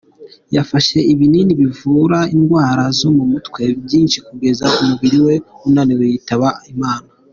Yafashe ibinini bivura indwara zo mu mutwe byinshi kugeza umubiri we unaniwe yitaba Imana.